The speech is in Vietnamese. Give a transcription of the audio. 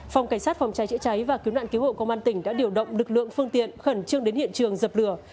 phòng cảnh sát phòng cháy chữa cháy và cứu nạn cứu hộ công an tỉnh đã điều động lực lượng phương tiện khẩn trương đến hiện trường dập lửa